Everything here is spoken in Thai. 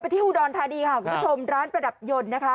ที่อุดรธานีค่ะคุณผู้ชมร้านประดับยนต์นะคะ